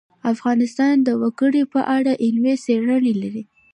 افغانستان د وګړي په اړه علمي څېړنې لري.